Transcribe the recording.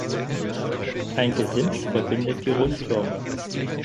Ein Gesims verbindet die Rundtürme.